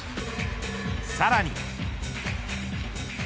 さらに。